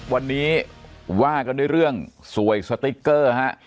วันนี้ว่ากันด้วยเรื่องสวยสติ๊กเกอร์ฮะ